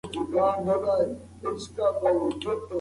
هغه په چټکۍ سره له کوره بهر ووت.